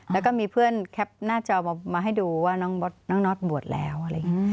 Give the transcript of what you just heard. แล้วก็มีเพื่อนแคปหน้าจอมาให้ดูว่าน้องน็อตบวชแล้วอะไรอย่างนี้